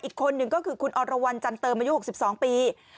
อีกคนนึงก็คือคุณอรวรรณจันเติมอายุ๖๒ปี